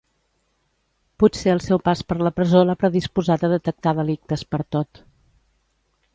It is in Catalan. Potser el seu pas per la presó l'ha predisposat a detectar delictes pertot.